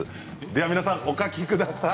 皆さんお書きください。